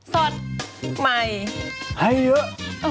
สดใหม่ให้เยอะ